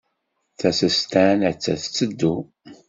Tasestant atta tetteddu.